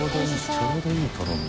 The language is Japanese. ちょうどいいとろみ。